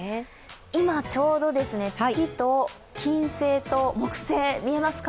今ちょうどですね、月と金星と木星、見えますか？